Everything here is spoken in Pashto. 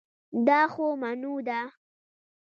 دا خو منو ده